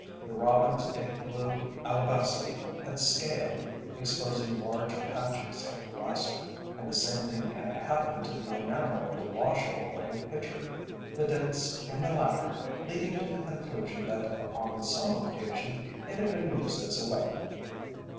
The robin's egg blue alabastine had scaled, exposing large patches of plaster, and the same thing had happened to the enamel of the wash bowl and pitcher the dents in the latter leading to the conclusion that upon some occasion it had been used as a weapon.